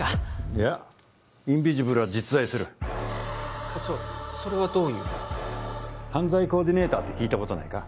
いやインビジブルは実在する課長それはどういう犯罪コーディネーターって聞いたことないか？